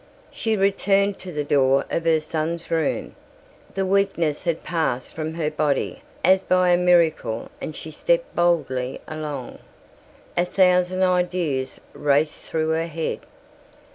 She returned to the door of her son's room. The weakness had passed from her body as by a miracle and she stepped boldly along. A thousand ideas raced through her head.